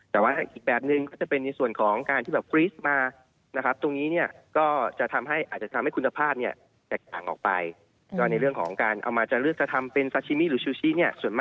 แต่ว่าอีกแบบนึงก็จะเป็นในส่วนของการที่ฟรีสมานะครับตรงนี้ก็จะทำให้คุณภาพแตกต่างออกไป